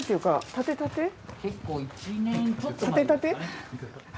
建てたて？